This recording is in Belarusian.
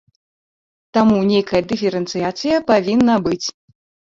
Таму, нейкая дыферэнцыяцыя павінна быць.